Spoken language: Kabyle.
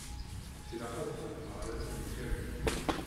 Tilaq ad xedmeɣ laman deg Kamal.